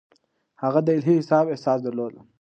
هغه د الهي حساب احساس درلود.